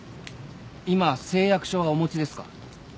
今誓約書はお持ちですか？